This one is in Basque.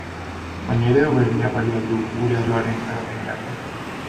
Baina eredu berdinak balio al du gure arloaren garapenerako?